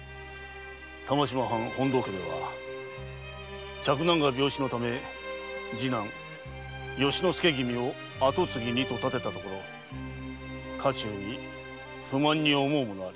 玉島藩本堂家では嫡男が病死のため次男由之助君を跡継ぎにと立てたところ家中に不満に思う者あり。